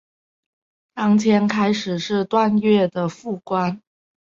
张骘开始是段业的属官。